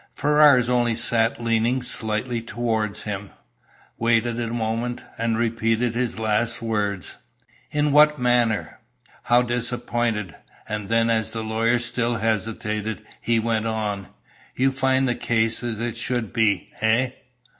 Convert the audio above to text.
Ferrars only sat leaning slightly toward him, waited a moment, and repeated his last words. "In what manner? How disappointed?" And then, as the lawyer still hesitated, he went on. "You find the case as it should be, eh?"